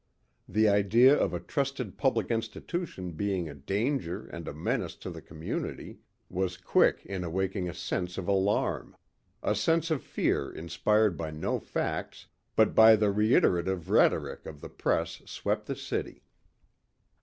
The idea of a trusted public institution being a danger and a menace to the community was quick in awaking a sense of alarm. A sense of fear inspired by no facts but by the reiterative rhetoric of the press swept the city.